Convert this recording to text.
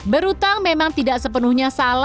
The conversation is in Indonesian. berhutang memang tidak sepenuhnya